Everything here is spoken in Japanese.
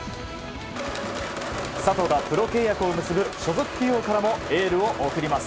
佐藤がプロ契約を結ぶ所属企業からもエールを送ります。